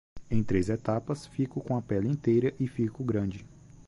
Em três etapas, fico com a pele inteira e fico grande.